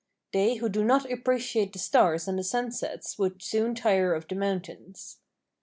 They who do not appreciate the stars and the sunsets would soon tire of the mountains.